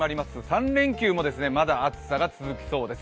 ３連休もまだ暑さが続きそうです。